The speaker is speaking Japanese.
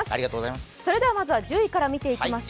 まずは１０位から見ていきまし